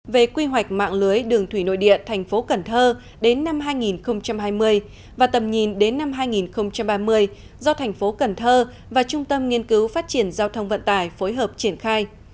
về quy hoạch mạng lưới đường thủy nội địa thành phố cần thơ đến năm hai nghìn hai mươi và tầm nhìn đến năm hai nghìn ba mươi do thành phố cần thơ và trung tâm nghiên cứu phát triển giao thông vận tải phối hợp triển khai